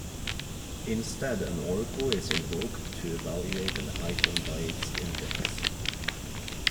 Instead, an oracle is invoked to evaluate an item by its index.